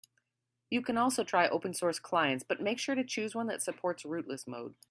You can also try open source clients, but make sure to choose one that supports rootless mode.